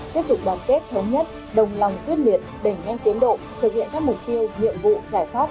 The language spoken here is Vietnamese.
tiếp tục đoàn kết thống nhất đồng lòng quyết liệt đẩy nhanh tiến độ thực hiện các mục tiêu nhiệm vụ giải pháp